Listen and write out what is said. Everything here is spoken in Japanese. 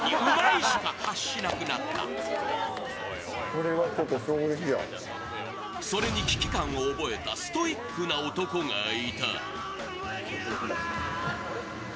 そしてそれに危機感を覚えたストイックな男がいた。